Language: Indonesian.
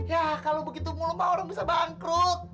ya kalau begitu mulu mah orang bisa bangkrut